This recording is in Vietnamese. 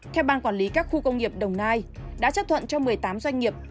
theo ban quản lý các khu công nghiệp đồng nai đã chấp thuận cho một mươi tám doanh nghiệp